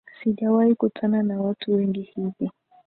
Sijawahi kutana na watu wengi hivi